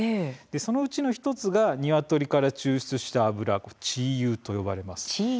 そのうちの１つがニワトリから抽出した脂「鶏油」と呼ばれます。